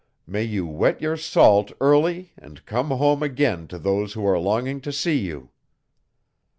May you wet your salt early and come home again to those who are longing to see you.